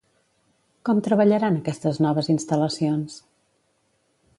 Com treballaran aquestes noves instal·lacions?